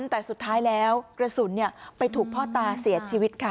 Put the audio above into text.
แต่สุดท้ายแล้วกระสุนไปถูกพ่อตาเสียชีวิตค่ะ